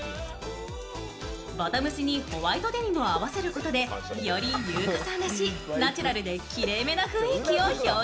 ボトムスにホワイトデニムを合わせることでより優香さんらしいナチュラルできれい目な雰囲気を表現。